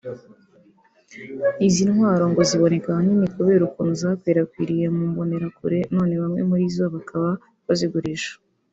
Izi ntwaro ngo ziboneka ahanini kubera ukuntu zakwirakwiriye mu mbonerakure none bamwe muri zo bakaba bazigurisha